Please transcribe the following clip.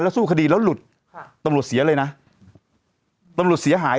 สู้คดีแล้วหลุดค่ะตำรวจเสียเลยนะตำรวจเสียหาย